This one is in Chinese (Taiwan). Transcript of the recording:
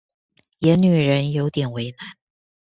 演女人有點為難